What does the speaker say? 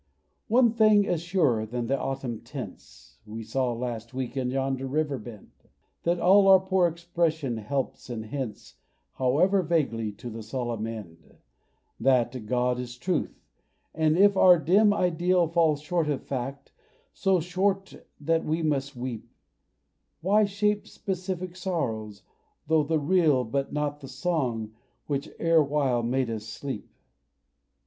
One thing is surer than the autumn tints We saw last week in yonder river bend That all our poor expression helps and hints, However vaguely, to the solemn end That God is truth; and if our dim ideal Fall short of fact so short that we must weep Why shape specific sorrows, though the real Be not the song which erewhile made us sleep?